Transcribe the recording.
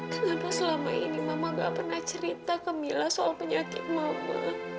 kenapa selama ini mama gak pernah cerita ke mila soal penyakit mama